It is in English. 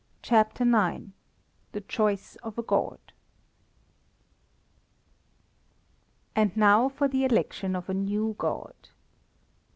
CHAPTER IX THE CHOICE OF A GOD And now for the election of a new god.